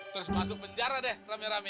terus masuk penjara deh rame rame